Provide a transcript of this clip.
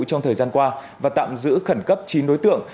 trong thời gian qua và tạm giữ khẩn cấp chín đối tượng